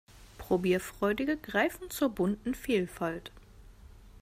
Probierfreudige greifen zur bunten Vielfalt.